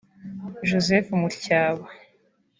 Joseph Mutyaba